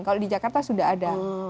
kalau di jakarta sudah ada